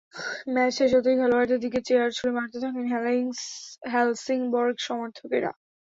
Match শেষ হতেই খেলোয়াড়দের দিকে চেয়ার ছুড়ে মারতে থাকেন হেলসিংবর্গ সমর্থকেরা।